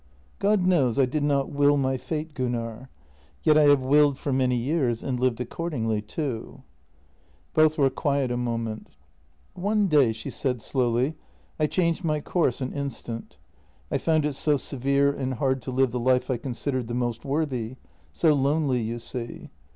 " God knows I did not will my fate, Gunnar. Yet I have willed for many years and lived accordingly, too." Both were quiet a moment. " One day," she said slowly, " I changed my course an in stant. I found it so severe and hard to live the life I consid ered the most worthy — so lonely, you see.